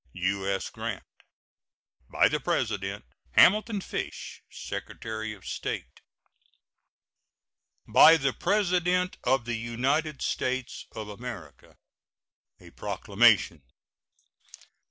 U.S. GRANT. By the President: HAMILTON FISH, Secretary of State. BY THE PRESIDENT OF THE UNITED STATES OF AMERICA. A PROCLAMATION.